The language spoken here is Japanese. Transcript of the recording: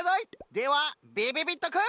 ではびびびっとくん。